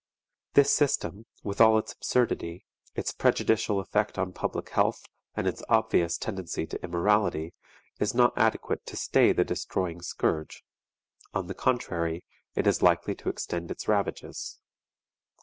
This system, with all its absurdity, its prejudicial effect on public health, and its obvious tendency to immorality, is not adequate to stay the destroying scourge; on the contrary, it is likely to extend its ravages.